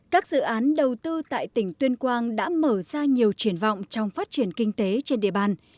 các dự án đầu tư tại tỉnh tuyên quang đã mở ra nhiều triển vọng trong phát triển kinh tế trên địa bàn